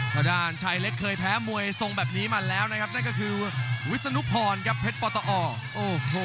ทางด้านชายเล็กเคยแพ้มวยทรงแบบนี้มาแล้วนะครับนั่นก็คือวิศนุพรครับเพชรปตอโอ้โห